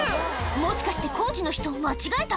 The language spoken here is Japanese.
もしかして工事の人間違えた？